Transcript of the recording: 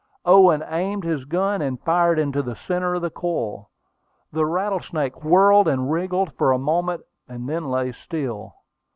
Owen aimed his gun, and fired into the centre of the coil. The rattlesnake whirled and wriggled for a moment, and then lay still.